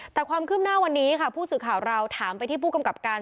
แต่ความคืบหน้าวันนี้ค่ะผู้สื่อข่าวเราถามไปที่ผู้กำกับการ